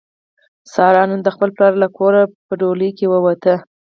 ساره نن د خپل پلار له کوره په ډولۍ کې ووته.